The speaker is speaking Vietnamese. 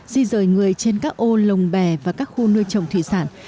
di rời người trên các ô lồng bè và các khu nuôi trồng thủy sản